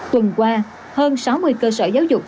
tuần qua hơn sáu mươi cơ sở giáo dục